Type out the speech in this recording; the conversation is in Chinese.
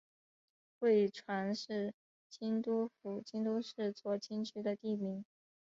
贵船是京都府京都市左京区的地名。